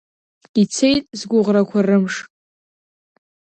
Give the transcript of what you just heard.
Ицеит сгәыӷрақәа рымш…